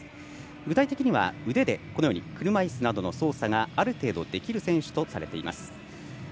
具体的には腕で車いすなどの操作がある程度、できる選手とされています。